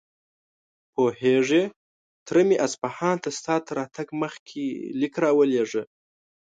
پوهېږې، تره مې اصفهان ته ستا تر راتګ مخکې ليک راولېږه.